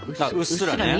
うっすらね。